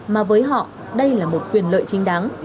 mà với họ đây là một quyền lợi chính đáng